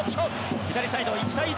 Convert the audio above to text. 左サイド、１対１。